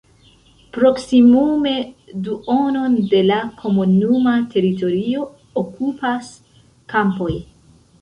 Proksimume duonon de la komunuma teritorio okupas kampoj.